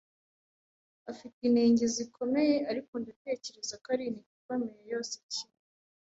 Afite inenge zikomeye, ariko ndatekereza ko ari intiti ikomeye yose kimwe.